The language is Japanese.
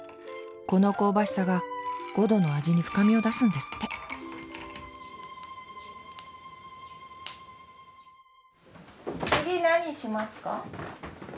この香ばしさがごどの味に深みを出すんですって次何しますか？